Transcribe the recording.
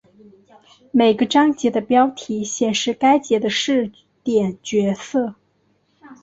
每个章节的标题显示该节的视点角色。